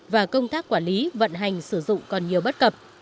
và công tác quản lý vận hành sử dụng còn nhiều bất cập